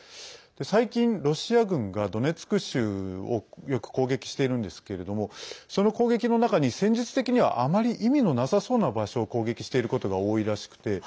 最近、ロシア軍がドネツク州をよく攻撃しているんですけれどもその攻撃の中に、戦術的にはあまり意味のなさそうな場所を攻撃していることが多いらしくて。